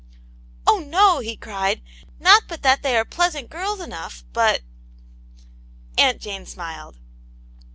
"Oh, no!" he cried! "Not but that they are pleasant girls enough, but " Aunt Jane smiled.